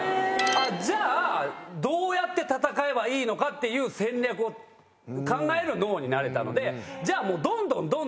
じゃあどうやって戦えばいいのかっていう戦略を考える脳になれたのでじゃあ。